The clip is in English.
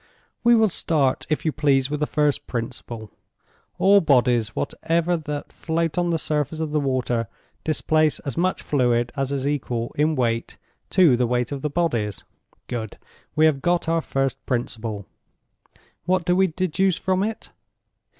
"We will start, if you please, with a first principle. All bodies whatever that float on the surface of the water displace as much fluid as is equal in weight to the weight of the bodies. Good. We have got our first principle. What do we deduce from it?